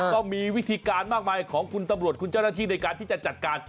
ก็มีวิธีการมากมายของคุณตำรวจคุณเจ้าหน้าที่ในการที่จะจัดการ